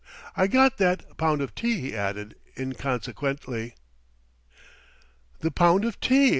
I got that pound of tea," he added inconsequently. "The pound of tea!"